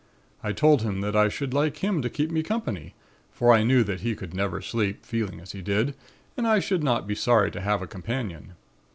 I told him that I should like him to keep me company, for I knew that he could never sleep, feeling as he did, and I should not be sorry to have a companion.